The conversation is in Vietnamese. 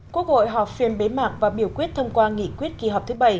quốc hội họp phiên bế mạc và biểu quyết thông qua nghị quyết kỳ họp thứ bảy